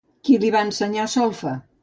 Qui li va ensenyar solfa?